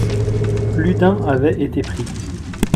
Plus d’un avait été pris.